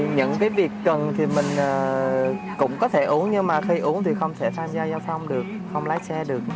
những cái việc cần thì mình cũng có thể uống nhưng mà khi uống thì không thể tham gia giao thông được không lái xe được